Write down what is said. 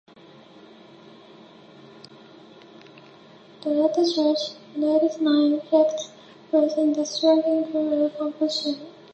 The latter church unites nine hipped roofs in a striking circular composition.